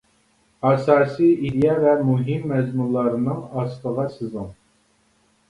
ئاساسىي ئىدىيە ۋە مۇھىم مەزمۇنلارنىڭ ئاستىغا سىزىڭ.